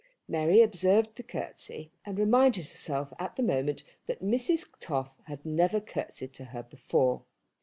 Mary observed the curtsey and reminded herself at the moment that Mrs. Toff had never curtseyed to her before.